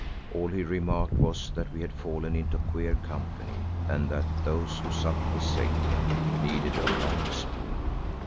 All he remarked was that we had fallen into queer company and that those who supped with Satan needed a long spoon.